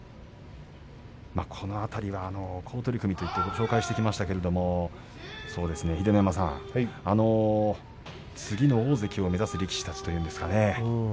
この辺りは好取組と紹介しましたけれども秀ノ山さん、次の大関を目指す力士たちというんですかね